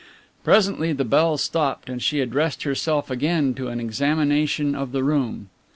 Presently the bell stopped and she addressed herself again to an examination of the room.